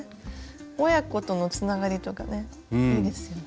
親子とのつながりとかねいいですよね。